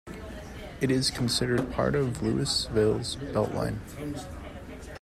It is considered part of Louisville's beltline.